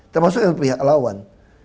termasuk yang pihak lawan